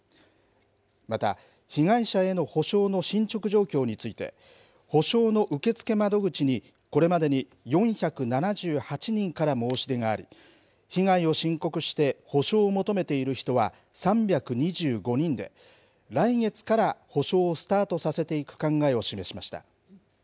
また、被害者への補償の進捗状況について、補償の受付窓口にこれまでに４７８人から申し出があり、被害を申告して補償を求めている人は３２５人で、来月から補償をスタートさせていく考えを示しました。